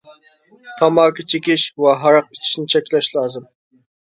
تاماكا چېكىش ۋە ھاراق ئىچىشنى چەكلەش لازىم.